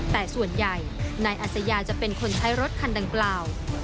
แต่ส่วนใหญ่นายอัศยาจะเป็นคนใช้รถคันดังกล่าว